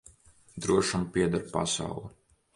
Drošam pieder pasaule.